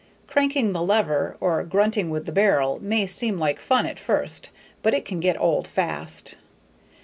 Cranking the lever or grunting with the barrel may seem like fun at first but it can get old fast.